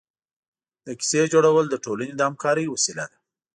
د کیسې جوړول د ټولنې د همکارۍ وسیله ده.